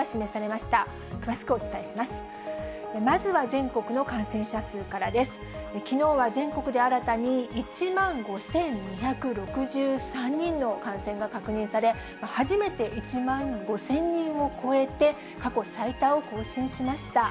きのうは全国で新たに１万５２６３人の感染が確認され、初めて１万５０００人を超えて、過去最多を更新しました。